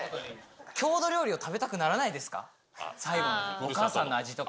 郷土料理を食べたくならないですか？